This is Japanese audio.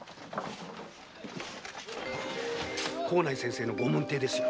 幸内先生の御門弟ですよ。